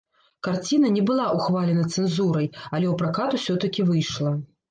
Карціна не была ўхвалена цэнзурай, але ў пракат усё-такі выйшла.